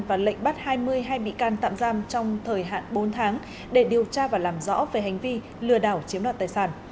và lệnh bắt hai mươi hay bị can tạm giam trong thời hạn bốn tháng để điều tra và làm rõ về hành vi lừa đảo chiếm đoạt tài sản